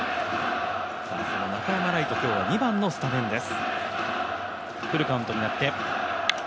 その中山礼都、今日は２番のスタメンです。